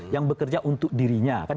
yang bekerja untuk dirinya